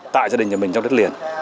tại gia đình nhà mình trong đất liền